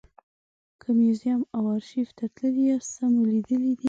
که موزیم او ارشیف ته تللي یاست څه مو لیدلي دي.